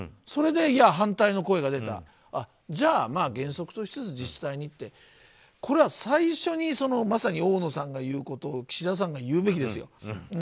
それで反対の声が出たじゃあ原則として自治体にって。これは最初にまさに大野さんが言ったことを岸田さんが言うべきですよ。